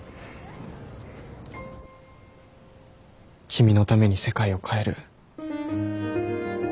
君のために世界を変える。